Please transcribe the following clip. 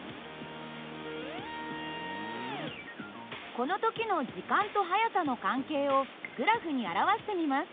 この時の時間と速さの関係をグラフに表してみます。